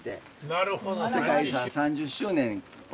なるほど。